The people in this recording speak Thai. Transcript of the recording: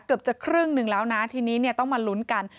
เกือบจะครึ่งหนึ่งแล้วนะทีนี้เนี่ยต้องมาลุ้นกัน